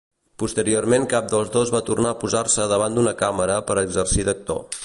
Posteriorment cap dels dos va tornar a posar-se davant d'una càmera per exercir d'actor.